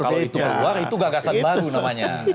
kalau itu keluar itu gagasan baru namanya